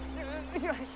後ろです！